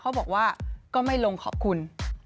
เขาบอกว่าก็ไม่ลงขอบคุณ